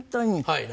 はい。